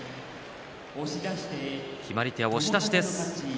決まり手、押し出しです。